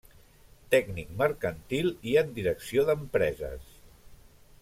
Tècnic Mercantil i en Direcció d'Empreses.